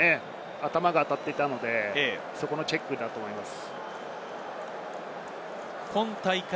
頭が当たっていたので、そこのチェックだと思います。